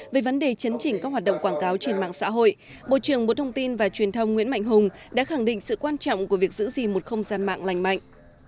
về vấn đề chấn chỉnh các hoạt động quảng cáo trên mạng xã hội bộ trưởng bộ thông tin và truyền thông nguyễn mạnh hùng đã khẳng định sự quan trọng của việc giữ gì một không gian mạng lành mạnh